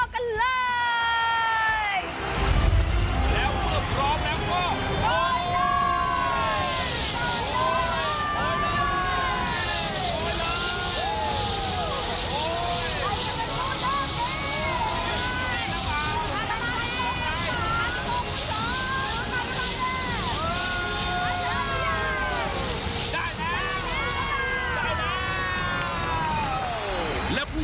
คาถาที่สำหรับคุณ